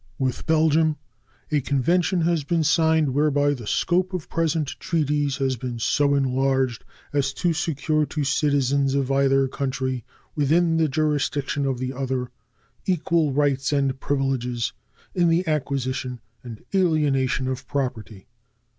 With Belgium a convention has been signed whereby the scope of present treaties has been so enlarged as to secure to citizens of either country within the jurisdiction of the other equal rights and privileges in the acquisition and alienation of property.